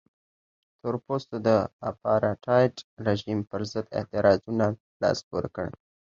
تور پوستو د اپارټایډ رژیم پرضد اعتراضونو لاس پورې کړ.